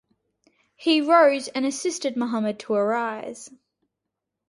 He rose and assisted Muhammed to arise.